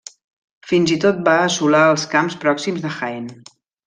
Fins i tot va assolar els camps pròxims de Jaén.